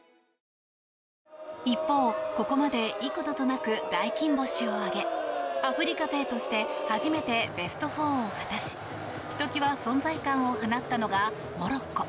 一方、ここまで幾度となく大金星を挙げアフリカ勢として初めてベスト４を果たしひときわ存在感を放ったのがモロッコ。